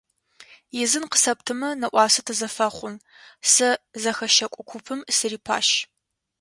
Изын къысэптымэ нэӏуасэ тызэфэхъун, сэ зэхэщэкӏо купым сырипащ.